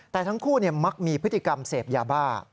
แต่ทั้งคู่มักมีพฤติกรรมเสพยาบ้า